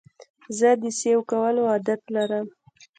زه د سیو کولو عادت لرم.